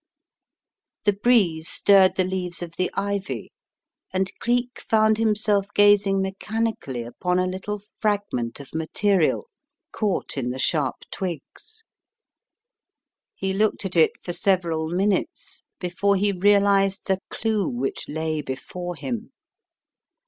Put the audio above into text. The breeze stirred the leaves of the ivy and Cleek found himself gazing mechanically upon a little frag ment of material caught in the sharp twigs. He looked at it for several minutes before he realized the clue which lay before him.